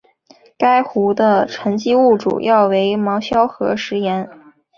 该湖的沉积物主要为芒硝和石盐。